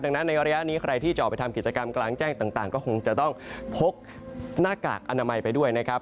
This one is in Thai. ดังนั้นในระยะนี้ใครที่จะออกไปทำกิจกรรมกลางแจ้งต่างก็คงจะต้องพกหน้ากากอนามัยไปด้วยนะครับ